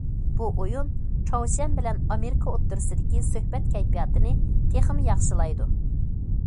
بۇ ئويۇن چاۋشيەن بىلەن ئامېرىكا ئوتتۇرىسىدىكى سۆھبەت كەيپىياتىنى تېخىمۇ ياخشىلايدۇ.